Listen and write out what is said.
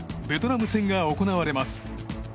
ベトナム戦が行われます。